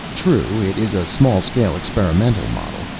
"True, it is a small scale experimental model.